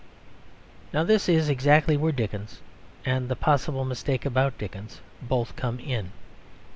Now this is exactly where Dickens, and the possible mistake about Dickens, both come in.